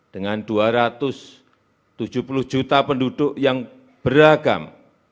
dengan dua ratus tujuh puluh juta penduduk yang beragam